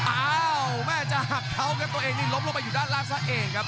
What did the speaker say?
โอ้แม่จากเขากับตัวเองนี่ลงลงไปอยู่ด้านล่างอันเองครับ